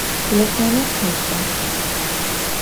Têlêfonır khêtba!